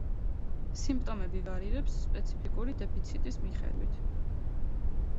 სიმპტომები ვარირებს სპეციფიკური დეფიციტის მიხედვით.